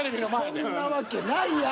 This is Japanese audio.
そんなわけないやん！